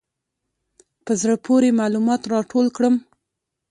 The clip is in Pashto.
په زړه پورې معلومات راټول کړم.